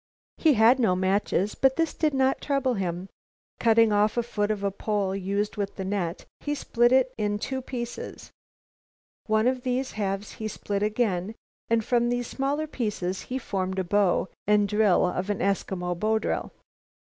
He had no matches, but this did not trouble him. Cutting off a foot of a pole used with the net, he split it in two pieces. One of these halves he split again and from these smaller pieces he formed the bow and drill of an Eskimo bow drill.